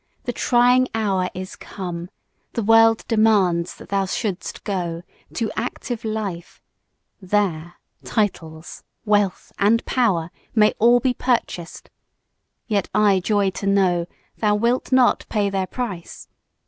The trying hour Is come: The world demands that thou shouldst go To active life: There titles, wealth, and power, May all be purchased Yet I joy to know Thou wilt not pay their price.